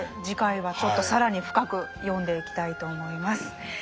次回はちょっと更に深く読んでいきたいと思います。